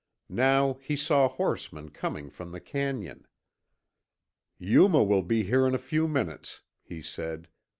Now he saw horsemen coming from the canyon. "Yuma will be here in a few minutes," he said.